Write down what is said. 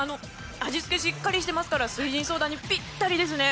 味付け、しっかりしていますから翠ジンソーダにぴったりですね！